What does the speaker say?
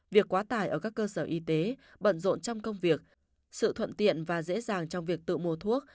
việc quá tải ở các cơ sở y tế bận rộn trong công việc sự thuận tiện và dễ dàng trong việc tự mua thuốc